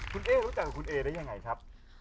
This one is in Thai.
คุณเอ๊รู้จักกับคุณเอได้ยังไงครับ